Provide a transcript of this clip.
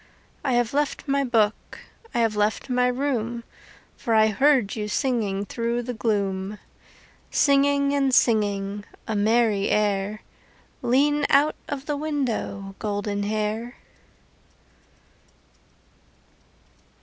I have left my book, I have left my room, For I heard you singing Through the gloom. Singing and singing A merry air, Lean out of the window, Goldenhair.